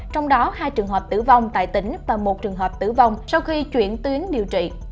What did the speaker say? trong đó hai trường hợp tử vong tại tỉnh và một trường hợp tử vong sau khi chuyển tuyến điều trị